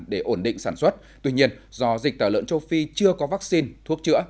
để ổn định sản xuất tuy nhiên do dịch tả lợn châu phi chưa có vaccine thuốc chữa